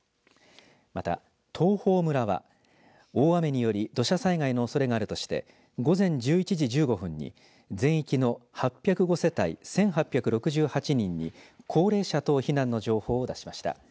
また東峰村は大雨により土砂災害のおそれがあるとして午前１１時１５分に全域の８０５世帯１８６８人に高齢者等避難の情報を出しました。